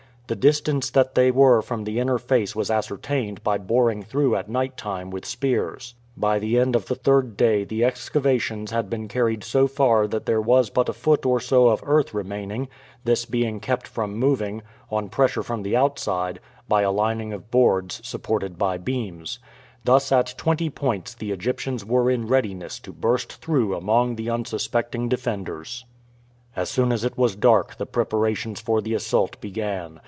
The distance that they were from the inner face was ascertained by boring through at night time with spears. By the end of the third day the excavations had been carried so far that there was but a foot or so of earth remaining, this being kept from moving, on pressure from the outside, by a lining of boards supported by beams. Thus at twenty points the Egyptians were in readiness to burst through among the unsuspecting defenders. As soon as it was dark the preparations for the assault began.